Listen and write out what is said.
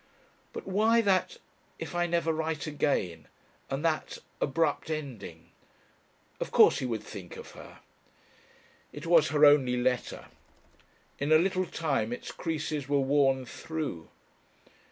But why that "If I never write again," and that abrupt ending? Of course he would think of her. It was her only letter. In a little time its creases were worn through.